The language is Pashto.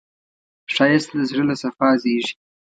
ښایست د زړه له صفا زېږېږي